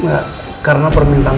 enggak karena permintaannya